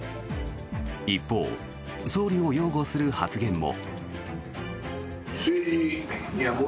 一方、総理を擁護する発言も。